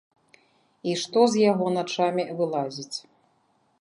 І што з яго начамі вылазіць.